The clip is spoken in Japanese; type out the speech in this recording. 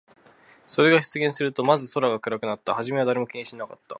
それが出現すると、まず空が暗くなった。はじめは誰も気にしなかった。